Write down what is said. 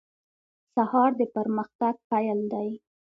سهار د پرمختګ پیل دی.